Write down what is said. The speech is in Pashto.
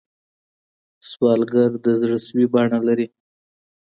سوالګر د زړه سوې بڼه لري